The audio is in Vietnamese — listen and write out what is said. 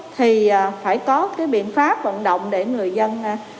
thì phải có cái biện pháp vận động để người dân